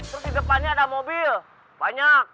terus di depannya ada mobil banyak